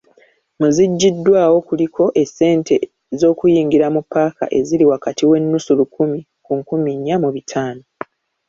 Mu ziggiddwawo, kuliko; essente z'okuyingira mu paaka eziri wakati w'ennusu lukumi ku nkumi nnya mu bitaano.